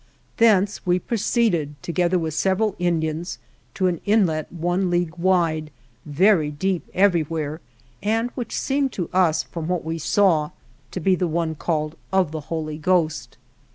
Thence we pro ceeded, together with several Indians, to an inlet one league wide, very deep everywhere and which seemed to us, from, what we saw, to be the one called of the Holy Ghost.